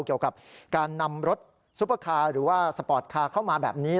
เกี่ยวกับการนำรถซุปเปอร์คาร์หรือว่าสปอร์ตคาร์เข้ามาแบบนี้